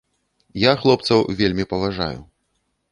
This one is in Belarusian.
Я хлопцаў вельмі паважаю.